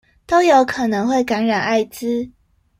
都有可能會感染愛滋